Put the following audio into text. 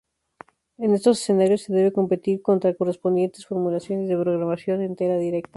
En estos escenarios, se debe competir contra las correspondientes formulaciones de programación entera directa.